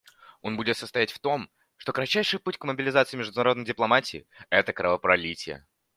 Он будет состоять в том, что кратчайший путь к мобилизации международной дипломатии — это кровопролитие.